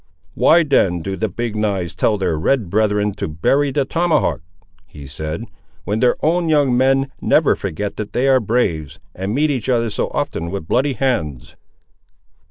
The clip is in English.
"Why then do the Big knives tell their red brethren to bury the tomahawk," he said, "when their own young men never forget that they are braves, and meet each other so often with bloody hands?"